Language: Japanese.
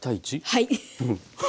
はい。